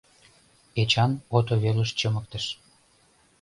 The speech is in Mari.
Эчан ото велыш чымыктыш.